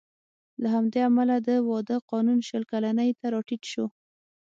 له همدې امله د واده قانون شل کلنۍ ته راټیټ شو